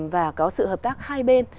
và có sự hợp tác hai bên